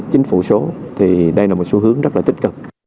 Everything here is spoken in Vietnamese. chính phủ số thì đây là một xu hướng rất là tích cực